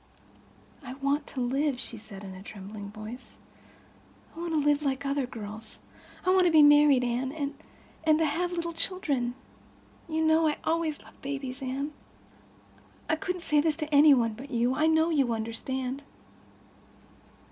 "I want to live," she said, in a trembling voice. "I want to live like other girls. I—I want to be married, Anne—and—and—have little children. You know I always loved babies, Anne. I couldn't say this to any one but you. I know you understand.